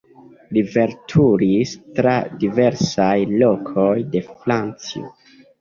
Li veturis tra diversaj lokoj de Francio.